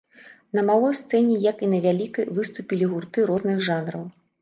На малой сцэне, як і на вялікай, выступілі гурты розных жанраў.